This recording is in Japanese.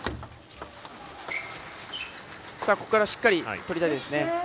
ここからしっかりとりたいですね。